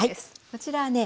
こちらはね